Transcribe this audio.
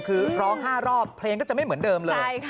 คือร้อง๕รอบเพลงก็จะไม่เหมือนเดิมเลย